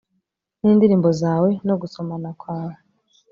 nindirimbo zawe no gusomana kwawe